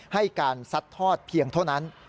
ให้การซัดทอดเพียงเท่านั้น